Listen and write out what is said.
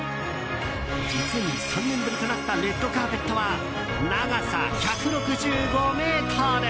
実に３年ぶりとなったレッドカーペットは長さ１６５ｍ！